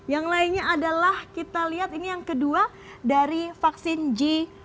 yang lainnya adalah kita lihat ini yang kedua dari vaksin g dua puluh